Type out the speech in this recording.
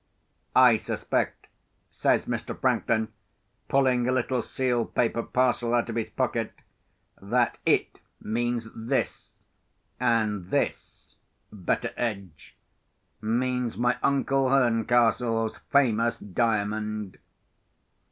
I suspect," says Mr. Franklin, pulling a little sealed paper parcel out of his pocket, "that 'It' means this. And 'this,' Betteredge, means my uncle Herncastle's famous Diamond."